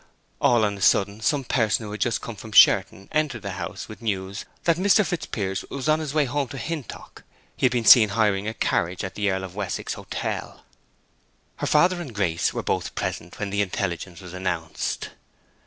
All on a sudden, some person who had just come from Sherton entered the house with the news that Mr. Fitzpiers was on his way home to Hintock. He had been seen hiring a carriage at the Earl of Wessex Hotel. Her father and Grace were both present when the intelligence was announced.